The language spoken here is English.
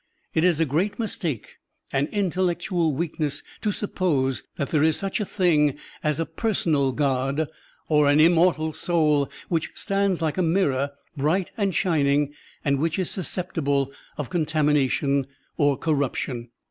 It is a great mistake, an intellectual weakness, to suppose that there is such a thing as a personal God or an immortal soul which stands like a mirror bright and shining and which is susceptible of contamination or corrup tion.